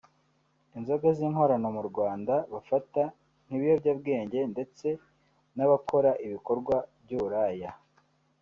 inzoga z’inkorano mu Rwanda bafata nk’ibiyobyebwenge ndetse n’abakora ibikorwa by’uburaya